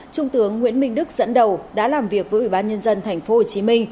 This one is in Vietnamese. trung tướng nguyễn minh đức dẫn đầu đã làm việc với ủy ban nhân dân tp hcm